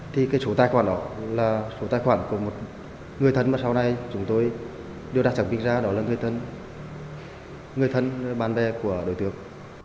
thì cái số tài khoản đó là số tài khoản của một người thân mà sau này chúng tôi đều đã chẳng biết ra đó là người thân người thân bạn bè của đối tượng